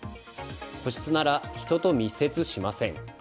個室なら人と密接しません。